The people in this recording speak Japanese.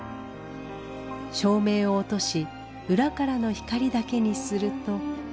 照明を落とし裏からの光だけにすると。